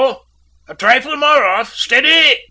A trifle more off. Steady!"